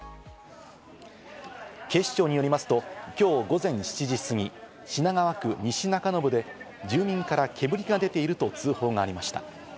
警視庁によりますと今日午前７時すぎ、品川区西中延で住民から煙が出ていると通報がありました。